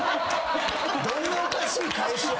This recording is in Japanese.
どんなおかしい返しや。